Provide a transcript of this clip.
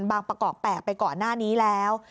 ประกอบ๘ไปก่อนหน้านี้แล้ว